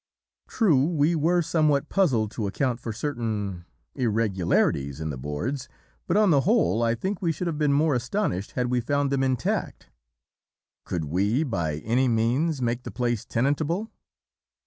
True, we were somewhat puzzled to account for certain irregularities in the boards, but, on the whole, I think we should have been more astonished had we found them intact. "Could we, by any means, make the place tenantable?